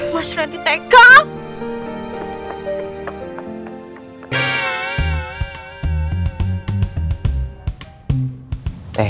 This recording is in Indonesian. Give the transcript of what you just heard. mas randy tega